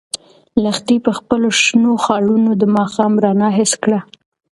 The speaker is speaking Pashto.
لښتې په خپلو شنو خالونو د ماښام رڼا حس کړه.